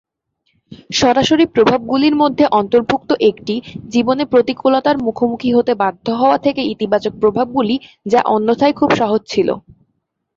সরাসরি প্রভাবগুলির মধ্যে অন্তর্ভুক্ত একটি জীবনে প্রতিকূলতার মুখোমুখি হতে বাধ্য হওয়া থেকে ইতিবাচক প্রভাবগুলি যা অন্যথায় খুব সহজ ছিল।